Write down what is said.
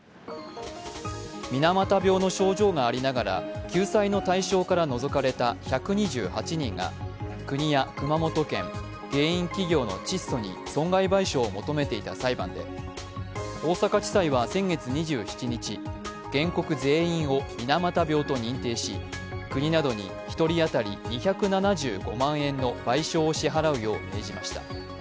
水俣病の症状がありながら救済の対象から除かれた１２８人が国や熊本県、原因企業のチッソに損害賠償を求めていた裁判で大阪地裁は先月２７日、原告全員を水俣病と認定し、国などに１人当たり２７５万円の賠償を支払うよう命じました。